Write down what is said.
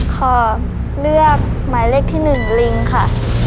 ขอเลือกหมายเลขที่๑ลิงค่ะ